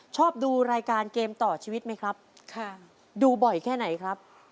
ชอบดูรายการเกมต่อชีวิตไหมครับค่ะดูบ่อยแค่ไหนครับ